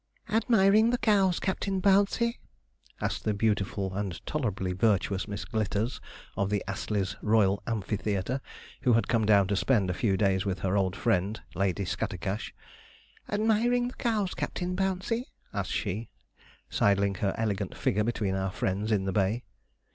'Admiring the cows. Captain Bouncey?' asked the beautiful and tolerably virtuous Miss Glitters, of the Astley's Royal Amphitheatre, who had come down to spend a few days with her old friend, Lady Scattercash. 'Admiring the cows, Captain Bouncey?' asked she, sidling her elegant figure between our friends in the bay.